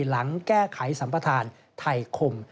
หลังแก้ไขสัมประธานไทยคม